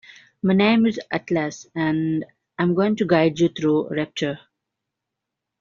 My name is Atlas and I'm going to guide you through Rapture.